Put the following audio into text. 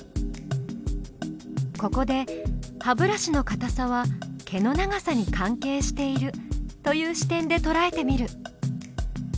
ここで「歯ブラシのかたさ」は「毛の長さ」に関係しているという視点でとらえてみる。